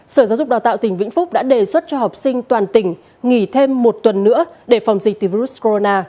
sở giáo dục đào tạo tỉnh vĩnh phúc đã đề xuất cho học sinh toàn tỉnh nghỉ thêm một tuần nữa để phòng dịch virus corona